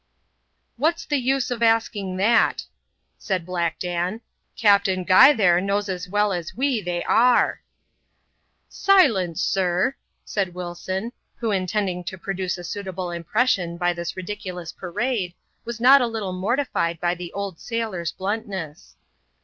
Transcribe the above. " What's the use of asking that?" said Black Dan ;" Cap ^ dn Guy there knows as well as we they are." Silence, sir !" said Wilson, who, intending to produce a utable impression by this ridiculous parade, was not a little bortified by the old sailor's bluntness.